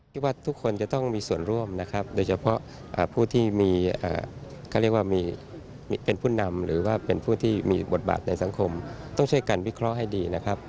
คิดว่าทุกคนจะต้องมีส่วนร่วมนะครับโดยเฉพาะผู้ที่มีเขาเรียกว่ามีผู้นำหรือว่าเป็นผู้ที่มีบทบาทในสังคมต้องช่วยกันวิเคราะห์ให้ดีนะครับ